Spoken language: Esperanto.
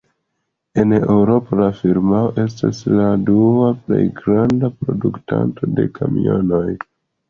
En Eŭropo la firmao estas la dua plej granda produktanto de kamionoj.